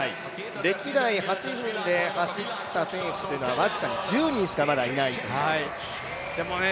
歴代８分で走った選手というのは、僅かにまだ１０人しかいないと。